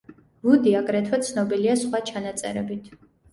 ვუდი აგრეთვე ცნობილია სხვა ჩანაწერებით.